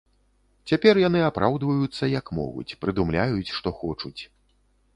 Цяпер яны апраўдваюцца, як могуць, прыдумляюць, што хочуць.